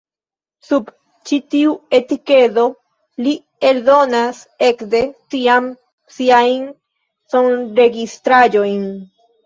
Sub ĉi tiu etikedo li eldonas ekde tiam siajn sonregistraĵojn.